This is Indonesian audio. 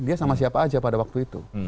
dia sama siapa aja pada waktu itu